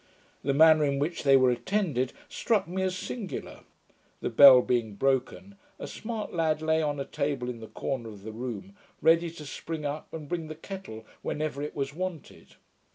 The manner in which they were attended struck me as singular: the bell being broken, a smart lad lay on a table in the corner of the room, ready to spring up and bring the kettle, whenever it was wanted.